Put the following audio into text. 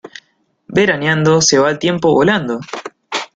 Veraneando, se va el tiempo volando.